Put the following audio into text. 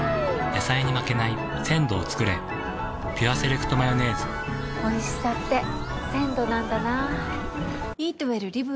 野菜に負けない鮮度をつくれ「ピュアセレクトマヨネーズ」おいしさって鮮度なんだな。